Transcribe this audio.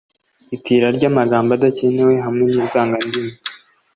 itira ry’amagambo adakenewe hamwe n’ivangandimi.